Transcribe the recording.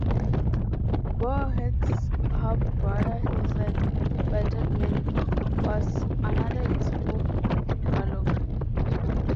Bore Head's half brother Hillside, by Todman, was another useful galloper.